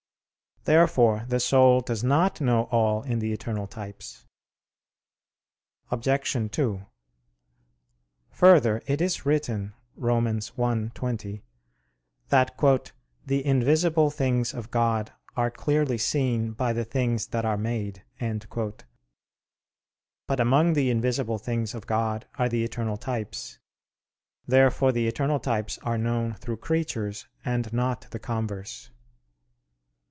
Therefore the soul does not know all in the eternal types. Obj. 2: Further, it is written (Rom. 1:20) that "the invisible things of God are clearly seen ... by the things that are made." But among the invisible things of God are the eternal types. Therefore the eternal types are known through creatures and not the converse.